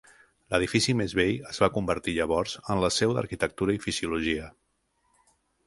L'edifici més vell es va convertir llavors en la seu d'Arquitectura i Fisiologia.